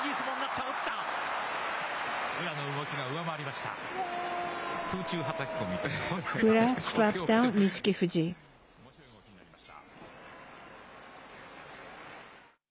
おもしろい動きになりました。